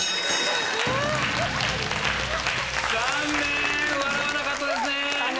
残念笑わなかったですね。